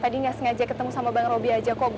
tadi gak sengaja ketemu sama bang robi aja kok bu